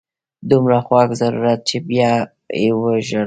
دومره خوږ ضرورت چې بیا یې وژاړو.